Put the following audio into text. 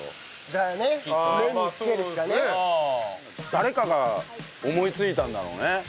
誰かが思いついたんだろうね。